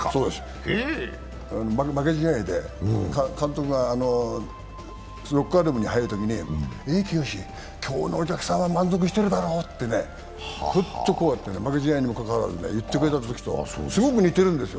負け試合で監督がロッカールームに入るときに、清、今日のお客さんは満足しているだろうって、ふって、負け試合にもかかわらず言ってくれたときとすごく似てるんです。